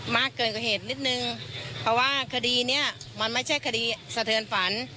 มากเกินกว่าเหตุนิดนึงเพราะว่าคดีเนี้ยมันไม่ใช่คดีสะเทือนฝัน